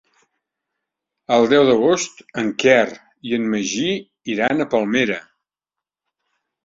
El deu d'agost en Quer i en Magí iran a Palmera.